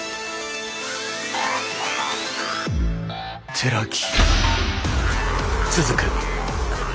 寺木。